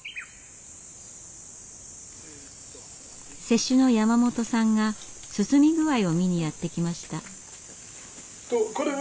施主の山本さんが進み具合を見にやって来ました。